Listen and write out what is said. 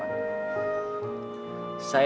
saya ingin gadis ini menemani saya makan di sini